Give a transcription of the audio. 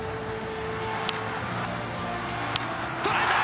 捉えた！